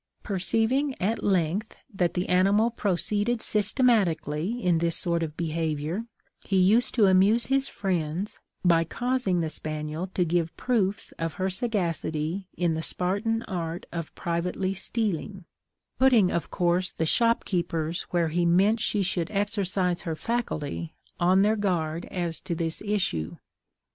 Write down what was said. Perceiving, at length, that the animal proceeded systematically in this sort of behaviour, he used to amuse his friends, by causing the spaniel to give proofs of her sagacity in the Spartan art of privately stealing; putting, of course, the shopkeepers where he meant she should exercise her faculty on their guard as to the issue.